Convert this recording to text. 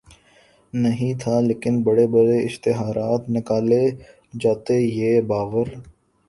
نہیں تھا لیکن بڑے بڑے اشتہارات نکالے جاتے یہ باور